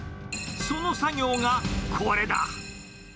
その作業がこれだ。